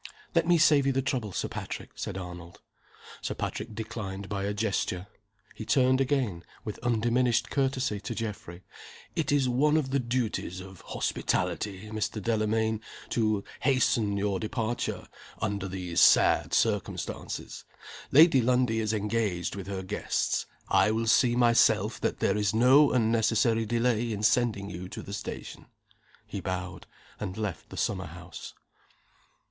"Let me save you the trouble, Sir Patrick," said Arnold. Sir Patrick declined, by a gesture. He turned again, with undiminished courtesy, to Geoffrey. "It is one of the duties of hospitality, Mr. Delamayn, to hasten your departure, under these sad circumstances. Lady Lundie is engaged with her guests. I will see myself that there is no unnecessary delay in sending you to the station." He bowed and left the summer house.